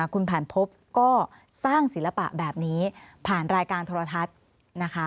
คุณผ่านพบก็สร้างศิลปะแบบนี้ผ่านรายการโทรทัศน์นะคะ